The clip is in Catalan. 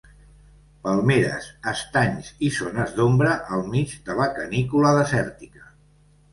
Palmeres, estanys i zones d'ombra al mig de la canícula desèrtica.